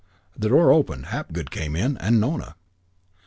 The door opened. Hapgood came in, and Nona.